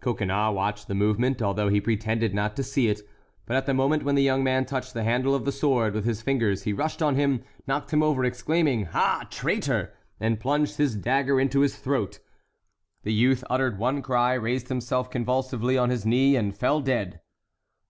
Coconnas watched the movement, although he pretended not to see it; but at the moment when the young man touched the handle of the sword with his fingers he rushed on him, knocked him over, exclaiming, "Ah, traitor!" and plunged his dagger into his throat. The youth uttered one cry, raised himself convulsively on his knee, and fell dead.